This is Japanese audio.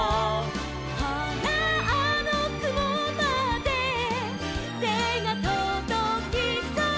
「ほらあのくもまでてがとどきそう」